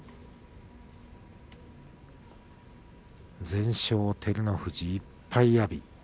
全勝、照ノ富士１敗、阿炎。